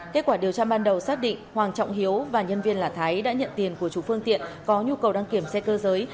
kết quả điều tra ban đầu xác định hoàng trọng hiếu và nhân viên là thái đã nhận tiền của chủ phương tiện có nhu cầu đăng kiểm xe cơ giới